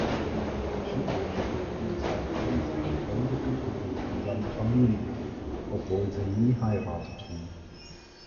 Giudice und Sapienza gründeten eine gemeinsame Familie (obwohl sie nie heirateten).